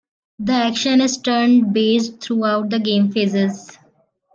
The action is turn based throughout the game phases.